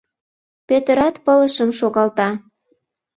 Пӧтырат пылышым шогалта.